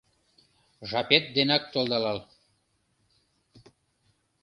Жапет денак толдалал.